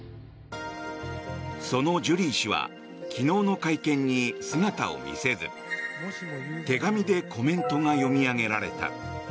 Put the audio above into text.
そのジュリー氏は昨日の会見に姿を見せず手紙でコメントが読み上げられた。